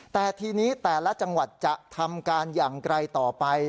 แต่ทีนี้แต่ละจังหวัดจะทำการอย่างไกลต่อไป